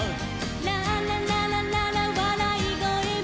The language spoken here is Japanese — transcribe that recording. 「ララランランララわらいごえも」